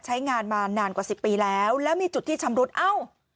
ใช้งานมานานกว่าสิบปีแล้วแล้วมีจุดที่ชำรุดเอ้า